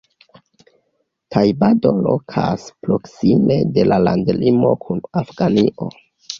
Tajbado lokas proksime de la landlimo kun Afganio.